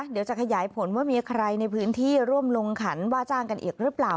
เดี๋ยวจะขยายผลว่ามีใครในพื้นที่ร่วมลงขันว่าจ้างกันอีกหรือเปล่า